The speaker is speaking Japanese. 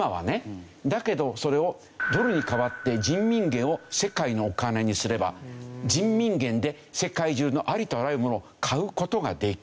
だけどそれをドルに代わって人民元を世界のお金にすれば人民元で世界中のありとあらゆるものを買う事ができる。